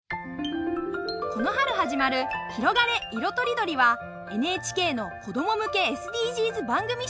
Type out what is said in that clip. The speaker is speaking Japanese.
この春始まる「ひろがれ！いろとりどり」はＮＨＫの子供向けＳＤＧｓ番組シリーズです。